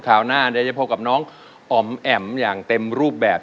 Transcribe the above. หน้าเดี๋ยวจะพบกับน้องอ๋อมแอ๋มอย่างเต็มรูปแบบ